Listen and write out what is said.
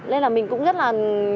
nên là mình cũng rất là